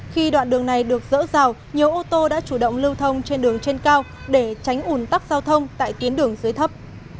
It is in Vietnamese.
khi đoạn đường này được dỡ rào nhiều ô tô đã chủ động lưu thông trên đường trên cao để tránh ủn tắc giao thông tại tuyến đường dưới thấp